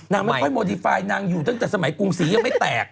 ไม่ค่อยโมดีไฟล์นางอยู่ตั้งแต่สมัยกรุงศรียังไม่แตก